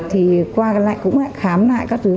thì qua lại cũng lại khám lại các thứ